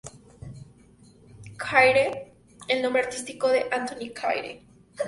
Claire, el nombre artístico de Anthony Claire.